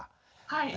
はい。